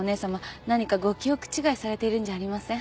何かご記憶違いされているんじゃありません？